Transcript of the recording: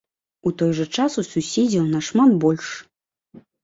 У той жа час, у суседзяў нашмат больш.